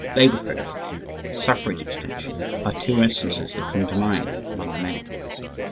Labor Federation, Suffrage Extension, are two instances that come to mind among the many.